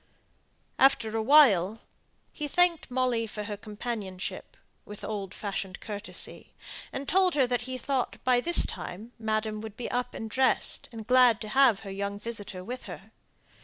After a while, he thanked Molly for her companionship, with old fashioned courtesy; and told her that he thought, by this time, madam would be up and dressed, and glad to have her young visitor with her.